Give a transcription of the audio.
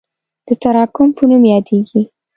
د تراکم په نوم یادیږي.